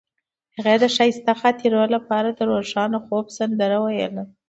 هغې د ښایسته خاطرو لپاره د روښانه خوب سندره ویله.